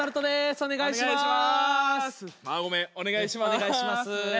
お願いします。